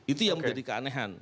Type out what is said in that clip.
itu yang menjadi keanehan